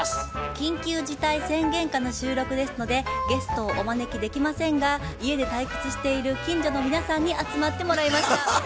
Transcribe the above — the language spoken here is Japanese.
緊急事態宣言下の収録ですのでゲストをお招きできませんが家で退屈している近所の皆さんに集まってもらいました。